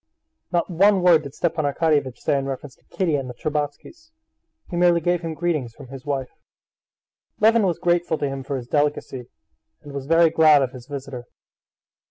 Not one word did Stepan Arkadyevitch say in reference to Kitty and the Shtcherbatskys; he merely gave him greetings from his wife. Levin was grateful to him for his delicacy and was very glad of his visitor.